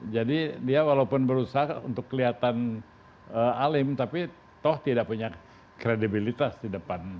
dia walaupun berusaha untuk kelihatan alim tapi toh tidak punya kredibilitas di depan